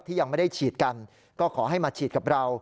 ยังไม่ได้ฉีดกันก็ขอให้มาฉีดกับเรา